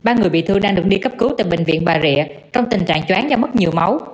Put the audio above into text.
ba người bị thương đang đứng đi cấp cứu từ bệnh viện bà rệ trong tình trạng choán do mất nhiều máu